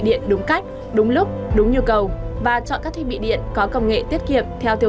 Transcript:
điện đúng cách đúng lúc đúng nhu cầu và chọn các thiết bị điện có công nghệ tiết kiệm theo tiêu